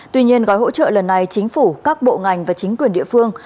tuy nhiên gói hỗ trợ lần này chính phủ các bộ ngành và chính quyền địa phương